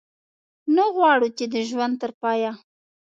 نه غواړو چې د ژوند تر پایه.